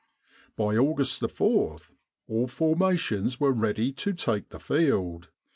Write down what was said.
By August 4 all formations were ready to take the field.